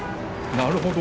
なるほど。